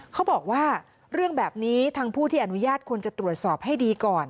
เขาบอกว่าเรื่องแบบนี้ทางผู้ที่อนุญาตควรจะตรวจสอบให้ดีก่อน